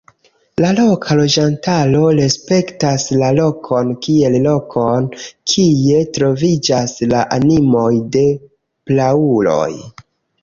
La loka loĝantaro respektas la lokon kiel lokon, kie troviĝas la animoj de prauloj.